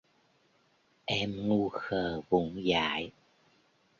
Em ngu khờ vụng dại